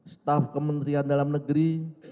staf kementerian dalam negeri